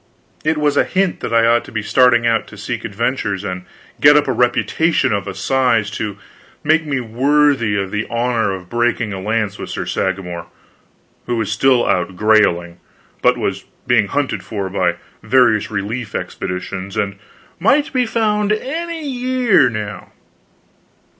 It was a hint that I ought to be starting out to seek adventures and get up a reputation of a size to make me worthy of the honor of breaking a lance with Sir Sagramor, who was still out grailing, but was being hunted for by various relief expeditions, and might be found any year, now.